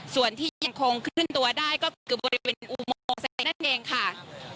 ส่วนที่ยังคงขึ้นตัวได้ก็คือบริเวณอุโมเซ็นต์นั่นเองค่ะ